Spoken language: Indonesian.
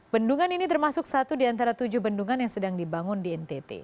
bendungan ini termasuk satu di antara tujuh bendungan yang sedang dibangun di ntt